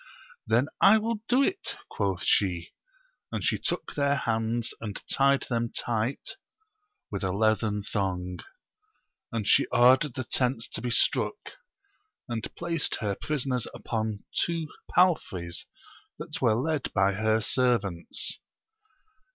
Then I will do it, quoth she j and she took their hands, and tied them tight with a leathern thong ; and she ordered the tents to be struck, and placed her prisoners upon two palfreys that were .led by her servants.